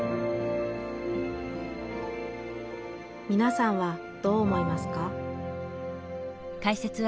みなさんはどう思いますか？